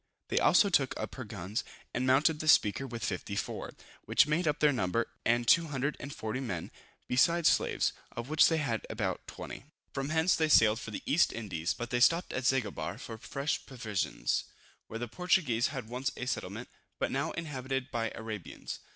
They also took up her guns, and mounted the Speaker with 54, which made up their number, and 240 men, besides slaves, of which they had about 20. From hence they sailed for the East Indies, but stopped at Zanguebar for fresh provisions, where the Portuguese had once a settlement, but now inhabited by Arabians.